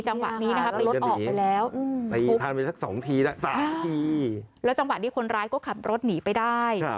จังหวะนี้ไปอีกแล้วแล้วจังหวะนี้คนร้ายก็ขับรถหนีไปได้